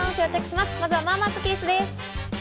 まずは、まあまあスッキりすです。